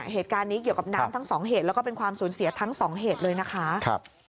เหตุการณ์นี้เกี่ยวกับน้ำทั้งสองเหตุแล้วก็เป็นความสูญเสียทั้งสองเหตุเลยนะคะ